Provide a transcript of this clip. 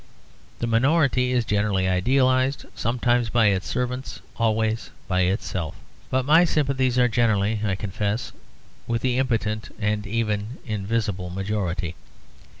The minority is generally idealised, sometimes by its servants, always by itself. But my sympathies are generally, I confess, with the impotent and even invisible majority.